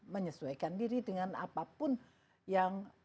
menyesuaikan diri dengan apapun yang